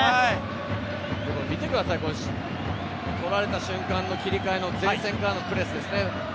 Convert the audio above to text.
見てください、取られた瞬間の切り替えの前線からのプレスですね。